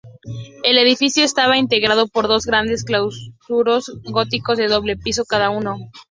El edificio estaba integrado por dos grandes claustros góticos de doble piso cada uno.